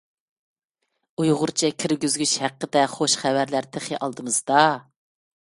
ئۇيغۇرچە كىرگۈزگۈچ ھەققىدە خۇش خەۋەرلەر تېخى ئالدىمىزدا!